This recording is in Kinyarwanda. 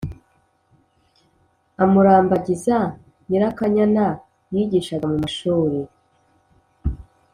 amurambagiza, Nyirakanyana yigishaga mu mashuri